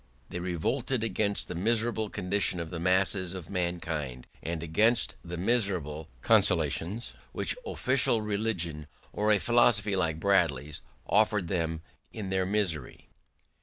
They revolted against the miserable condition of the masses of mankind, and against the miserable consolations which official religion, or a philosophy like Bradley's, offered them in their misery.